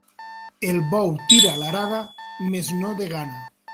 El bou tira l'arada, mes no de gana.